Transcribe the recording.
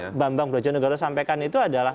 pak bambang brojonegoro sampaikan itu adalah